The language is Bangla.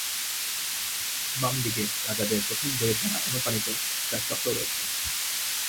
বামদিকে রাজাদের প্রথম বইয়ের দ্বারা অনুপ্রাণিত একটা চক্র রয়েছে।